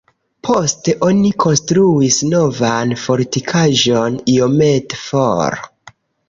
Poste oni konstruis novan fortikaĵon iomete for.